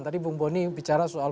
tadi bung boni bicara soal